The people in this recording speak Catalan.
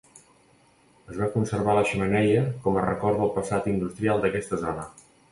Es va conservar la xemeneia com a record del passat industrial d'aquesta zona.